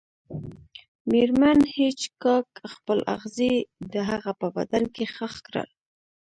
میرمن هیج هاګ خپل اغزي د هغه په بدن کې ښخ کړل